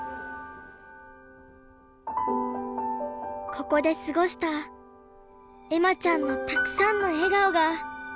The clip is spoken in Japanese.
ここで過ごした恵麻ちゃんのたくさんの笑顔がありました。